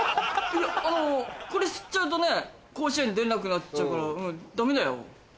これ吸っちゃうとね甲子園出れなくなっちゃうからダメだよ。